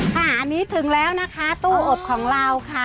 ค่ะอันนี้ถึงแล้วนะคะตู้อบของเราค่ะ